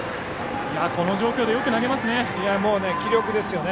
この状況でよく投げますね。